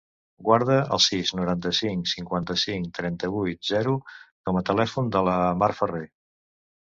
Guarda el sis, noranta-cinc, cinquanta-cinc, trenta-vuit, zero com a telèfon de la Mar Ferre.